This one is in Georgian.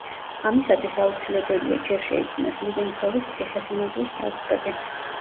ამისათვის აუცილებელია ჯერ შეიქმნას ლივენცოვის ციხესიმაგრის საზღვრები.